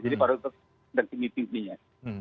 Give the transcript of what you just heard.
jadi baru untuk nanti meeting nya